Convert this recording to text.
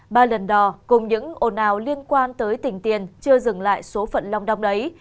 ba lần đò cùng những ồn ào liên quan tới tỉnh tiền chưa dừng lại số phận long đong đấy